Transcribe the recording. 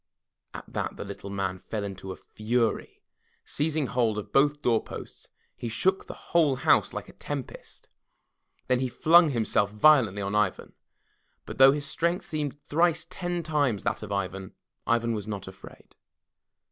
At that the Little Man fell into a fury. Seizing hold of both doorposts he shook the whole house like a tempest. Then he flung himself violently on Ivan. But though his strength seemed thrice ten times that of Ivan, Ivan was not afraid.